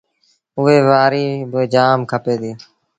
ائيٚݩ وآريٚ باجآم کپي ديٚ۔